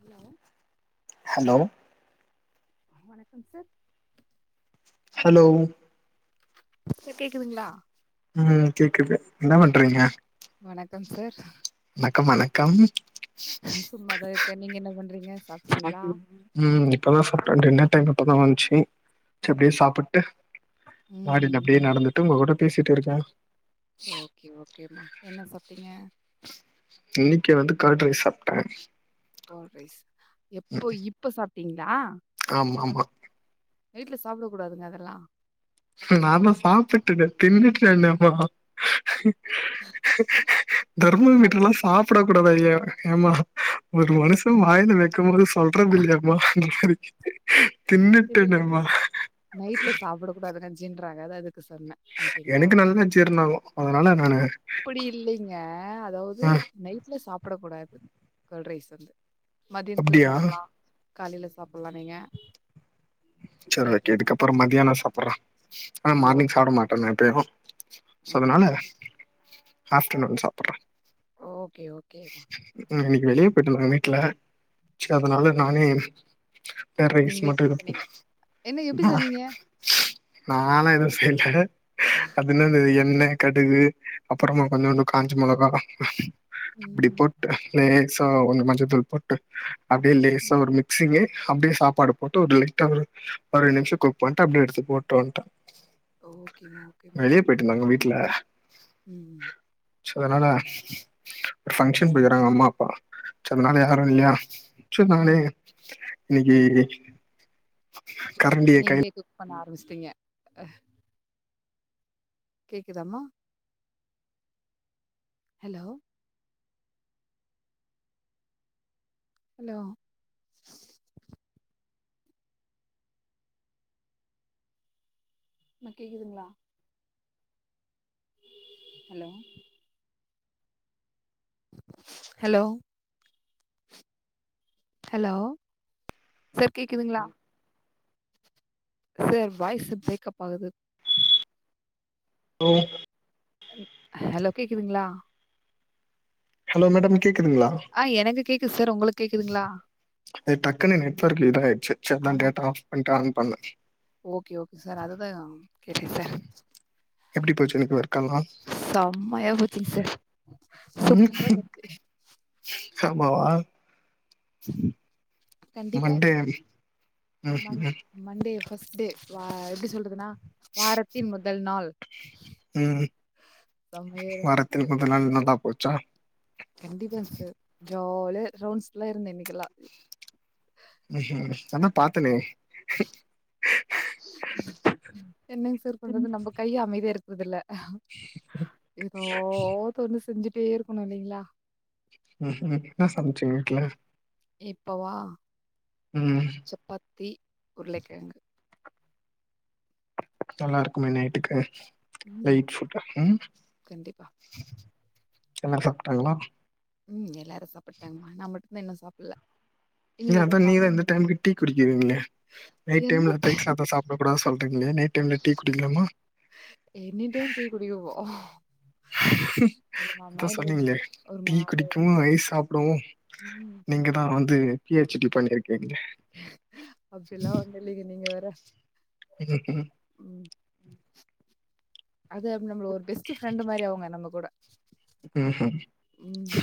Hello hello வணக்கம் sir hello sir கேக்குதுங்ளா ம் கேக்குது என்ன பண்றீங்க வணக் வணக்கம் சார் ணக்கம் வணக்கம் சும்மாதா இருக்கே நீங்க என்ன பண்றீங்க சாப்ட்டீங்களா ம் இப்பதா சாப்டே டின்னர் டைம் இப்பதா வந்துச்சு ச்ச அப்டியே சாப்பிட்டு ம் மாடில ம் அப்டியே நடந்துட்டு ஒங்க கூட பேசிட்டு இருக்கே ஓகே ஓகேமா என்ன சாப்டீங்க க்கே வந்து கர்ட் ரைஸ் சாப்டே கோட் ரைஸ் எப்போ இப்ப சாப்டீங்ளா ஆமா ஆமா நைட்டல சாப்டக் கூடாதுங்க அதெல்லா ஹூ நா சாப்டுட்டேனே தின்னுட்டேனே அப்பறோ ஹூ ஹூ தெர்மா மீட்டர்லா மதியானத்துல சாப்பிட கூடாது ஐய ஏமா ஒரு மனுஷ வாயில வெக்குபோது சொல்றதில்லையாமா அப்டின்ற மாரி தின்னுட்டேனேமா [unintelligible] நைட்ல சாப்புட கூடாதுங்க ஜின்றாங்க அத அது க்கு சென்ன அப்டின்ந்தா எனக்கு நல்லா ஜீர்ணாகு அதனால நானு அப்டி இல்லைங்க அதாவது ஆ நைட்ல சாப்புட கூடாது கர்ட் ரைஸ் வந்து மதியானத்துல அப்டியா சாப்புட்லா காலைல சாப்புட்லா நீங்க சரி நைட்ல ஓகே சாப் இதுக்கப்புற மதியான சாப்புட்ற ஆனா ஓ மார்னிங் சாப்ட மாட்ட எப்பயு சோ அதனால ம் ஆஃப்டர்நூன் சாப்புற ஓகே ஓகே வெளியே போயிட்டாங்க வீட்ல சோ அதனால நானே கர்ட் ரைஸ் நீங்களே மட்டு குக் இருந்து பண்ணீங்க என்ன எப்டி செஞ்சீங்க நானா எதுவு செய்யல அதுன்ன என்ன கடுகு அப்புறமா கொஞ்சோண்டு காஞ்ச மொளகா அப்டி ம் போட்டு லே சா மஞ்ச தூள் போட்டு அப்டியே லேசா ஒரு மிக்ஸ்ங்கு அப்டியே சாப்பாடு போட்டு ஒரு லைட்டா ஒரு பதினஞ்சு நிமிஷம் குக் பண்ட்டு அப்டியே எடுத்து போட்டு வந்ட்ட ஓகேமா ஓகேமா ல ம் சோ அதனால ஒரு ஃபங்ஷன் போய்ருக்காங்க அம்மா அப்பா சோ அதனால யாரு இல்லையா சோ நானே இன்னைக்கு கரண்டிய கை நீங்களே குக் பண்ண ஆரம்பிச்டீங்க கேக்குதாமா ஹலோ ஹலோ இப்ப கேக்குதுங்ளா ஹலோ ஹலோ ஹலோ சார் கேக்குதுங்ளா சார் வாய்ஸ் பிரேக்கப் ஆகுது ஹலோ ஹலோ கேக்குதுங்ளா ஹலோ மேடம் கேக்குதுங்ளா ஆ எனக்கு கேக்குது சார் உங்களுக்கு கேக்குதுங்களா அது டக்குன்னு நெட்ஒர்க் இதாயிடுச்சு சரி ஆமா டேட்டா ஆஃப் பண்டு ஆன் பண்ணே. ஓகே ஓகே சார் அதுதா கேட்டே சார் எப்டி போச்சு இன்னைக்கு ஒர் கலா செம்மையா போச்சுங்க சார் சூப்பரா ம் போச்சு ஆமாவா கண்டிப்பா மண்டே ம்ஹ்ம் மண் ம் மண்டே ஃபஸ்டே வா எப்படி சொல்றதுனா வாரத்தின் முதல் நாள் செம்மையா வாரத்தில் முதல் நாள் நல்லா போச் கண்டிப்பா சார் ஜாலியா ரவுன்ஸ்ல்ல இருந்த இன்னைக்கெல்லா ம் நான்தா பாத்தனே என்னங் சார் பண்றது நம்ம கை அமைதியா இரு றதுல ஏதோ தொன்னு செஞ்சுட்டே இருக்கணு இல்லைங்ளா ம் ம் என்ன சமைச்சிங்க வீட்ல இப்பவா ம் சப்பாத்தி உருளகிழங்கு நல்லாருக்குமே நைட்டுக்கு ம் லைட் ஃபுட் ம் கண்டிப்பா எல்லா சாப்ட்டாங்ளா ம் எல்லாரு சாப்ட்டுட்டாங்க நா மட்டு தா இன்னு சாப்ட்ல நீ அதா நீங்கதா இந்த டைமுக்கு டீ குடிக்குவீங்ளே நைட் என்ன டைம்ல தயிர் சாப்பாடு சாப்புட கூடா சொல் டங்ளே நைட் டைம்ல டீ குடிக்லாமா எனி டைம் டீ குடிக்கவோ இல்லமா தோ மைண்ட் கொஞ்ச சொன்னீங்ளே ஒரு டீ மாரியா இருக்கு குடிக்குவு ஐஸ் சாப்டுவோ ம் நீங்க தா வந்து பிஹெச்டி பண்ணிரு அப்பில்லா ஒன்னுல்லிங்க நீங்க வேற இதுக்கு ம் அது அம் நம்மள ஒரு பெஸ்டு ஃப்ரெண்டு் மாரி அவுங்க நம்ம கூட ம் ஹு ம்.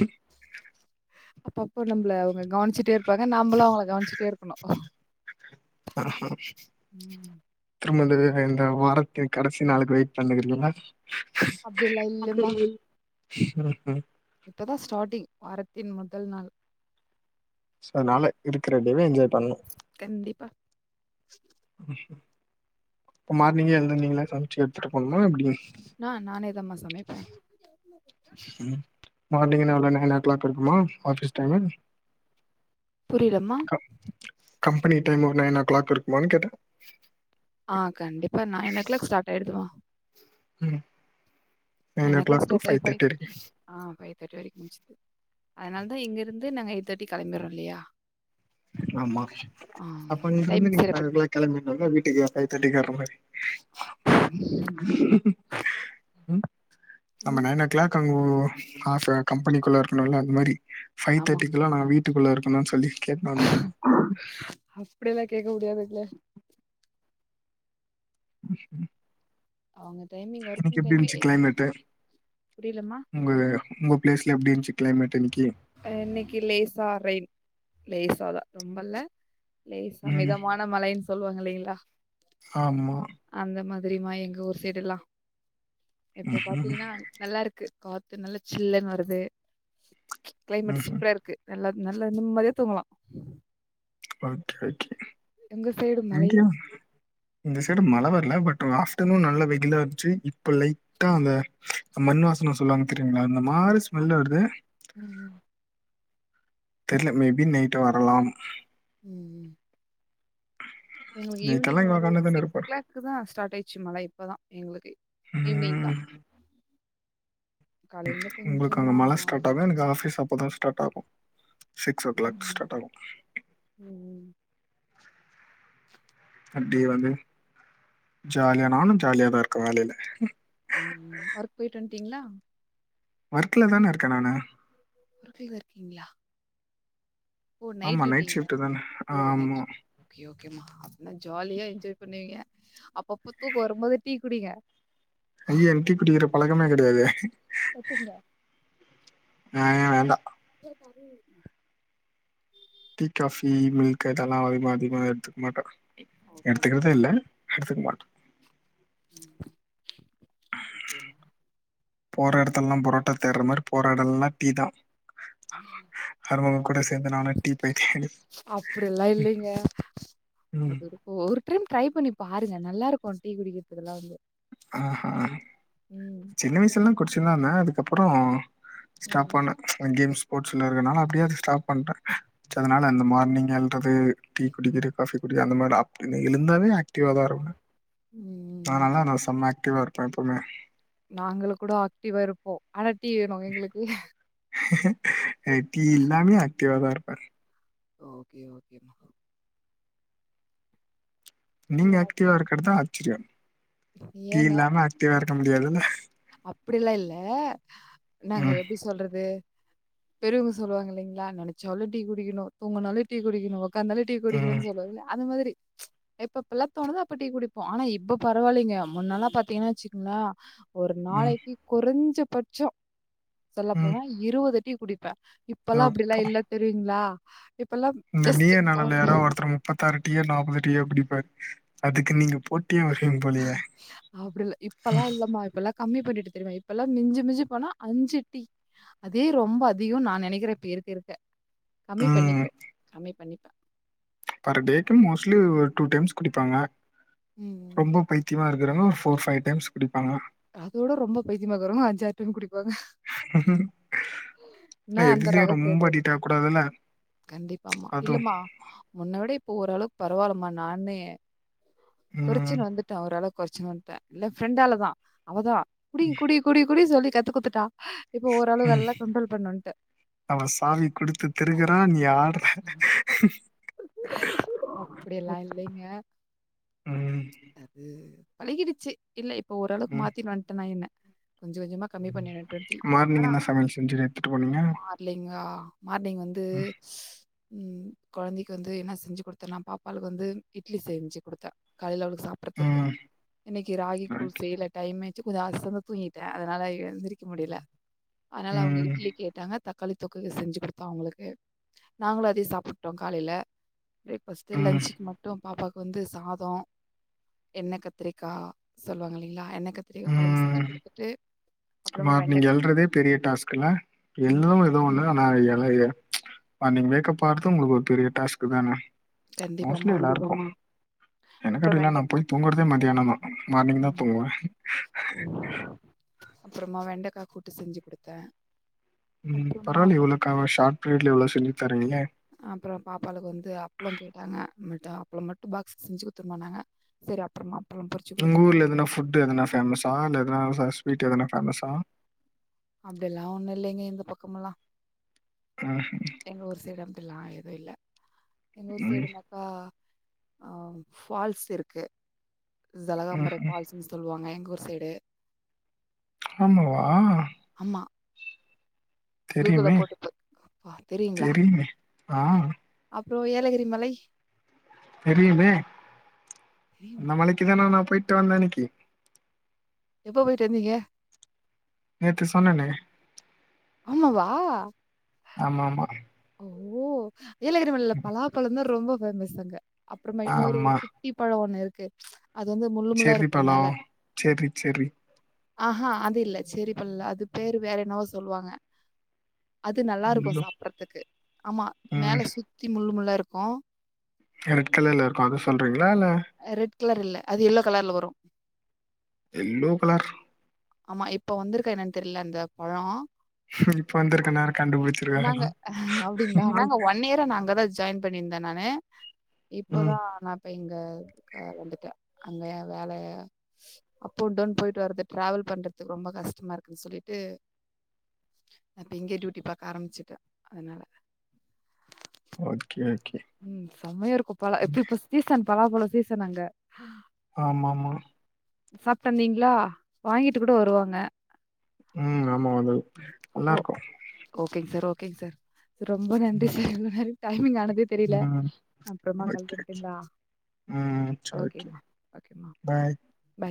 அப்பப்போ நம்ப்ள அவுங்க கவ்னிச்சிட்டேரு பக நம்பளு அவுங்ள கவனிச்சிட்டே இருக்குணு திரும்ம இந்த வே இந்த வாரத்தி கடசி நாளுக் வெயிட் பண்ணுக்குறீங்ளா அப்டி எல்லா இல்லெம்மா ம் ஹு இப்பதா ஸ்டாட்டிங் வாரத்தின் முதல் நாள் சோ அத்னால இருக்குற டேவ என்ஜாய் பண்ணணு தெண்டிப்பா இப்ப மார்னிங்கே எழுந்து நீங்ளா சம்ச்சு எட்த்துட்டு போணுமா எப்டி நா நானே தமா சமைப்பே மார்னிங் நா எவ்ளோ நைன் ஓ க்ளாக் இருக்குமா ஆஃபீஸ் டைமு புரிய்லம் மா பனி டைம் ஒரு நைன் ஓ க்ளாக் இருக்குமானு கேட்ட ஆ கண்டிப்பா நைன் ஓ க்ளேக் ஸ்டாட் ஆயிடுதுமா ம் nine o'clock clock to start ஆயி ஃபைவ் ஃபை தேர்ட்டி இருக்கு தேட்டிக் [inaudible] ஃபை தேட்டி வரைக் முன்சிது அத்னால் தா இங்கெருந்து நாங்க எய்தேட்டி களம்பிற்றோ இல்லயா ஆமா அப்ப நிகிருந்து டைமிங் நீங்க ஃபைவ் சரிப்படி ஓ க்ளாக் கெளம்பிற்னுள்ள வீட்டுக்கு ஃபை தேட்டிக்கு வர்ற மாரி ம். நம்ம நைன் ஓ க்ளாக் அங்கோ ஆ ஃப கம்பனிக்குள்ள இர்க்குணுல்ல அது மாரி ஃபை தேட்டிக்குலா நா வீட்டுக்குள்ள இருக்கணுன் சொல்லி கேட்டுனு வந்துருங்க அப்டியலா கேக்க முடியாதுங்ல அஷ அவங்க டைமிங் இன்னிக்கி ஒர்க்கிங் எப்டி டைமே இருந்ச்சி க்ளைமேட்டு புரியலம்மா? உங்க உங்க ப்லேஸ்ல எப்டி இருன்ச்சி க்ளைமேட் இன்னிக்கி அ இன்னக்கி லேசா ரைன் லேசாதா ரொம்பல்ல லேசா ம் மிதமான மழைன் சொல்லுவாங் இல்லைங்ளா ஆமா தெரிய்மா எங்க ஊர் சைடுல்லா இப்ப ம்ஹும் பாத்தீங்ன்னா நல்லாருக்கு காத் நல்ல சில்லன் வருது க்ளைமேட்டு ம்ஹும் சூப்பரா இருக்கு நல்லாத் நல்ல நிம்மத்யா தூங்கலா ஓக் ஓகே சைடு மழையா இங்யா இந்த சைடு மழ வ இல்ல பட் ஆப்டனு நல்ல வெகிலா அர்ச்சி இப்ப லைட்டா அந்த மண் வாசன சொல்வாங்கத் தெருங்ளா இந்த ஆமா மாரி ஸ்மெல் ஆமா வர்து ம் ம் தெர்ல மேபி நெய்ட் வரலாம் ம் ம் எங்களுக் நைட்டெல்லா ஈவினிங் இங்க ஒரு உக்காந்து தான சிக்ஸ் ஓ இருப்பாரு கிளேக்கு தா ஸ்டாட் ஆயிச்சு மழ இப்பதா எங்ளுக்கை ஈவ்னிங் தா உங்ளுக் கொஞ்சம் அங்க தான் மழ ஸ்டாட் இதாக ஆகு எனக்கு இருந்துச்சு ஆஃபீஸ் அப்போதா ஸ்டாட் ஆகு சிக்ஸ் ஓ க்ளாக் ம் ஸ்டாட் ஆகு எ அப்டியே வந்து ஜால்யா நானு ஜால்யாதா இருக்க வேலைல ம் ஒர்க் போயிட் வன்ட்டீங்ளா வர்க்கல தான இருக்க நானு [unintelligible] இருக்கீங்களா ஓ ஆமா நைட் டியூட்டிங்களா ஷிஃப்ட் தான ஓ நைட் ஆமா ஷிஃப்ட் ஓகே அப்பல்லா ஜாலியா என்ஜாய் பண்ணுவீங்க அப்பப்ப தூக்கு வரும்போது டீ குடிங்க ஐயா என் டீ குடிக்கிற பழக்கமே கெடையாதே கொத்துங்க நா ஏன் வேண்டா. சரி டீ காபி மில்க் இதெல்லா அதிகமா அதிகமா எடுத்துக்க மாட்ட ஓகேமா எடுத்துக்கிறதே இல்ல எடத்துக்கு மாட் ஓகேமா போர எடத்துலல்லா புரோட்டா தேடுற மாரி போர எடல்லா டீ தா [inaudible] வரவங்க கூட சேந்து நானு டீ போய் தேடி அப்டில்லா இல்லைங்க அது இப்ப ஒரு டைம் ட்ரை பண்ணி பாருங்க நல்லாருக்கும் டீ குடிக்கிறதுதெல்லா வந்து ஆ ம் சின்ன வயசுல்லா குடிச்சந்தான அதுக்கப்பறோ ஸ்டாப் ம் பண்ணஅந்த கேம்ஸ் ஸ்போர்ட்ஸ்ல இருக்கனால அப்படியே அதது ஸ்டாப் பண்ட்டே அதனால அந்த மார்னிங் து டீ ம் குடிக்கி காஃபி குடிக்க அந்த மாரி அப்டின்னு எழுந்தாவே ஆக்டிவா தா இருக்கனு நா ம் நல்லா நா செம்ம ஆக்டிவா இருப்பே எப்பவுமே நாங்கள கூட ஆக்டிவா இருப்போ ஆனா டீ வேணு எங்களுக்கு அட்லி எல்லாமே ஆக்ட்டிவ்வா தா இருப்பாரு ஓகே ஓகே நாங்க நீங்க ஆக்டிவா மாத்தியாச்சு இருக்கிறதுதா ஆச்சரிய டி இல்லாம ஆக்டிவா இருக்க முடியாதுல்ல அப்படிலா இல்ல நாங்க ம் எப்டி சொல்றது பெருவங்க சொல்லுவாங்க இலைீங்களா நெனைச்சாலு டீ குடிக்கணு தூங்கினாலு டீ குடிக்கணு உக்கந்தாலே டீ ம் குடிக்கிறேன்னு சொல்லுவே அது மாதிரி எப்பப்ல்லாத் தோணுதோ அப்ப டீ குடிப்போ ஆனா இப்ப பரவாயில்லைங்க முன்னல்லா பாத்தீங்கன்னா வச்சுக்கங்களா ஒரு ம் நாளைக்கு கொறைஞ்ச பட்ச சொல்ல ம் போனா இருபது டீ குடி ப்ப இப்பல்லா அப்டில்லா எப்பா இல்ல தெரியுங்களா இப்பல்லாம் இந்த ஜஸ்ட் நீய ஒரு நானால்ல யாரோ ஒருத்தர் முப்பத்தாறு டியோ நாப்பது டியோ குடிப்ப அதுக்கு நீங்க போட் அப்டில்ல இப்பல்லா இல்லமா இப்பல்லா கம்மி பண்ணிட்டு தெரியுமா இப்பல்லாம மிஞ்சி மிஞ்சி போனா அஞ்சு டடீ அதே ரொம்ப அதிகோ நா நெனைக்கிற பேர் இருக்கிருக்க கம்மி ம் பண்ணிப்போ கம்மி பண்ணிப் பர் டேக்கு மோஸ்லி ஓ டூ டைம்ஸ் குடிப்பாங்க ம். ரொம்ப பைத்தியமா இரு இரன்னா ஒரு போர் பைவ் டைம்ஸ் குடிப்பாங்க அதோட ரொம்ப பைத்தியமா இருக்குறங்க அஞ்சாறு டைம் குடி நா ஆனா அந்த ரக எதுலயு ரொம்ப சேந்தது அடிக்ட் ஆக கூடாதுல்ல கண்டிப்பாமா அதுவு இல்லமா முன்ன விடப் ப்ப ஓரளவுக்கு பரவால்லமா நானே ம் கொறச்சச்சுனு வந்துட்டே ஓரளவு கொரச்சன் வந்துட்டே இல்ல ஃப்ரெண்டாலதா அவதா குடி குடி குடி குடி சொல்லி கத்து குத்துட்டா ம் அவ சாவி குடுத்து திருக்குறான் நீ ஆ அப்படியல்லா இல்லைங்க ம் அது பழகிடுச்சு இல்ல இப்ப ஓரளவுக்கு ம் மாத்தினு வந்துட்டேனா என்ன கொஞ்சம் கொஞ்சமா கம்மி பண்ணிட்டு வன்டே மார்னிங் ஆனா என்ன சமையல் செஞ்சு எடுத்துட்டு போனீங்க மார்லங்கா மார்னிங் வந்து ஷ் ம் கொழந்தைக்கு வந்து என்ன செஞ்சு குடுத்தர்லா பாப்பாளுக்கு வந்து இட்லி செஞ்சு குடுத்தே காலையிலளுக்கு சாப்பறதுக்கு ம் இன்னைக்கு ராகி ம் கூல் செய்யல டைமே கொஞ்ச ஆசந்து தூங்கிட்டே அதனால எழுந்திரிக்க முடியல அதனால அவங்க ம், இட்லி கேட்டாங்க தக்காளி தொக்கு செஞ்சு குடுத்தோ அவங்களுக்கு நாங்களு அதயே சாப்பட்டோ காலையில ஃபஸ்ட்டு ம், லஞ்சுக்கு மட்டு பாப்பாவுக்கு வந்து சாதோ எண்ணெ கத்திரிக்கா சொல்லுவாங்க இல்லைங்களா எண்ண கத்திரிக்கா கொழம்பு செஞ்சு ம். குடுத்துட்டு அப்புறமா மார்னிங் வெண்டைக்கா எழ்றதே பெரிய டாஸ்க்கல ம் எல்லு ஏதோ ஒண்ணு ம் ஆனா எழ எ அ நீங்க வேக்கப்பாறது உங்களுக்கு ஒரு பெரிய டாஸ்க் தானே மோஸ்ட்லி கண்டிப்பாமா எல்லாருக்கு அப்புறம் எனக்கப்டில்ல நா வெண்டைக்கா போய் தூங்கறதே மதியானந்தா மார்னிங்தா தூங்குவே ம் அப்றமா வெண்டக்கா கூட்டு செஞ்சு குடுத்தே ம் பரவால்லயே இவ்ளோ க க்ஷார்ட் பீரியட்ல இவ்ளோ செஞ்சி அப்ற பாப்பாளுக்கு வந்து அப்ள கேட்டாங்க நம்மள்ட்ட அப்ள மட்டு பாகஸ் செஞ்சு குடுத்துர்மானாங்க சரி அப்றமா உங்க ஊர்ல எதனா ஃபுட் எதனா ஃபேமஸா இல்ல எதனா ஸ்வீட் எதனா ஃபேமஸா அப்டி எல்லா ஒண்ணு இல்லைங்க இந்த பக்கமல்லா அ எங்க ஊர் சைடு அப்டில்லா எதுவு இல்ல எங்க ஊர் ம்ஹ்ம். சைடுனாக்கா அ ஃபால்ஸ் இருக்கு ஜலகாம்பர ம்ஹ்ம். ஃபால்ஸ்னு சொல்லுவாங்க எங்க ஊர் சைடு ஆமாவா ஆமா கூகுள்ல தெரியுமே போட்டு பா பா தெரியுமே ஆ அப்ற ஏலகிரி மலை தெரியுமே அந்த தெரியுமா மலைக்குதான நா போய்ட்டு வந்தே அனைக்கி எப்போ போய்ட்டு வந்தீங்க நேத்து சொன்னனே ஆமாவா ஆமா ஆமா ஓ ஏலகிரி மலில பலாப்பழந்தா ரொம்ப ஃபேமஸ் அங்க அப்றமா இன்னொரு ஒரு ஆமா. குத்தி பழ ஒண்ணு இருக்கு அது வந்து முள்ளு முள்ளா செர்ரி இருக்கு மேல பழம். Cherry, cherry. ஆஹா அது இல்ல சேரி பழல்ல அது பேரு வேற என்னவோ சொல்லுவாங்க அது நல்லாருக்கு முள்ளு சாப்றதுக்கு ஆமா மேல ம் சுத்தி முள்ளு முள்ளா இருக்கு ரெட் கலர்ல இருக்கு அத சொல்றீங் அ ரெட் கலர் இல்ல அது எல்லோ கலர்ல வரு எல்லோ கலர் ஆமா இப்ப வந்துருக்கா என்னனு தெரில அந்த பழ இப்ப வந்துருக்க நேர கண்டுபுடிச் நாங்க அப்டிங்ளா நாங்க ஒன் இயரா நா அங்கதா ஜாயின் பண்ணிருந்தே நானு ம். இப்பதா நா இப்ப இங்க க வந்துட்டே அங்க வேல அப் அண்ட் டவுன் போய்ட்டு வர்றது ட்ராவல் பண்றது ரொம்ப கஷ்டமா இருக்குன்னு சொல்லிட்டு அப்ப இங்கே டியூட்டி பா க்க ஆரம்பிச்சுட்டே அதனால ஓகே ஓகே. ம் செம்மையா இருக்கு பலா இப்ப இப்ப சீசன் பலா பழ சீசன் அங்க ஆமாமா சாப்ட்டு வந்தீங்களா வாங்கிட்டு கூட வருவாங்க ம் ஆமா அது நல்லாருக்கு ஓகேங் சார் ரொம்ப நன்றி சார் இவ்ளோ நேர டைமி்ங் ஆன தே தெரில ம். அப்றமா கல் ஓகே, ஓகே. பண்றிங்ளா ம் செர் ஓகே பாய் பாய்.